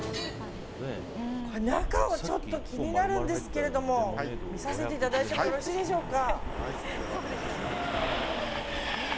中をちょっと気になるんですけども見させていただいてもよろしいでしょうか。